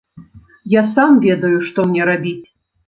Я сам ведаю, што мне рабіць.